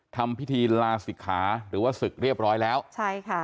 ทำพิธีลาศิกขาหรือว่าศึกเรียบร้อยแล้วใช่ค่ะ